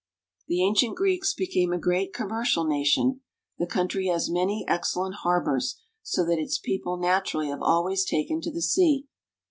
The ancient Greeks became a great commercial nation. The country has many excellent harbors, so that its people naturally have always taken to the sea.